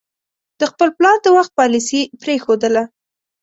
د خپل پلار د وخت پالیسي پرېښودله.